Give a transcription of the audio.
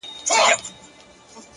هره لاسته راوړنه لومړی خیال و!